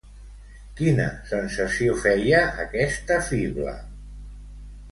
Quina sensació feia aquesta fibla?